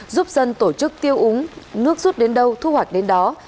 giúp dân tổ chức tiêu úng nước rút đến đâu thu hoạch đến đó